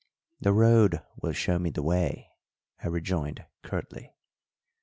"The road will show me the way," I rejoined curtly.